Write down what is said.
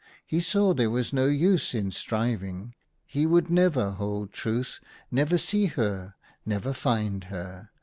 He saw there was no use in striving ; he would never hold Truth, never see her, never find her.